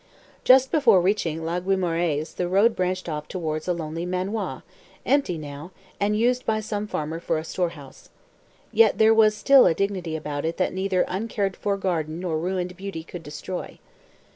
Just before reaching La Guimorais the road branched off towards a lonely manoir, empty now, and used by some farmer for a storehouse. Yet there was still a dignity about it that neither uncared for garden nor ruined beauty could destroy.